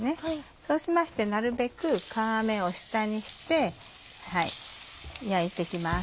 そうしましてなるべく皮目を下にして焼いて行きます。